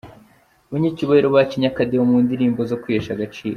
Abanyacyubahiro bacinye akadiho mu ndirimbo zo kwihesha agaciro.